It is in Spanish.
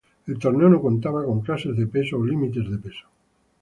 El torneo no contaba con clases de peso o límites de peso.